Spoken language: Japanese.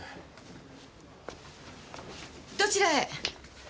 どちらへ？